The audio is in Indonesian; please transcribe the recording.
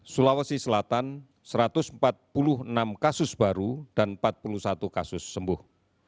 sulawesi selatan satu ratus empat puluh enam kasus baru dan empat puluh satu kasus sembuh